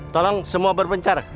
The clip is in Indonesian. tolong semua berpencar